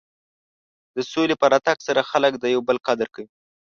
د سولې په راتګ سره خلک د یو بل قدر کوي.